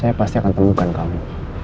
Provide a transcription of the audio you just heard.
saya pasti akan temukan kamu